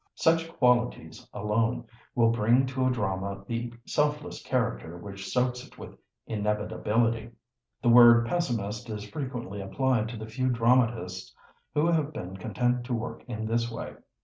Such qualities alone will bring to a drama the selfless character which soaks it with inevitability. The word "pessimist" is frequently applied to the few dramatists who have been content to work in this way.